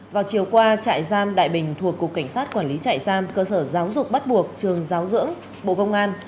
vào chiều qua trại giam đại bình thuộc cục cảnh sát quản lý trại giam cơ sở giáo dục bắt buộc trường giáo dưỡng bộ công an